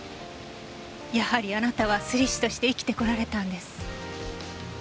やはりあなたは摺師として生きてこられたんです。